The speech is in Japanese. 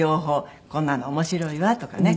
こんなの面白いわとかね